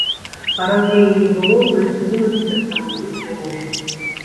А раз яе не было, то і судзімасці таксама быць не можа.